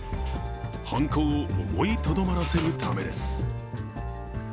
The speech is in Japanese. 犯行を思いとどまらせるためです。